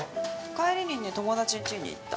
帰りにね友達んちに行った。